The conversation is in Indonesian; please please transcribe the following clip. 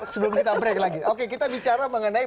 sebelum kita break lagi oke kita bicara mengenai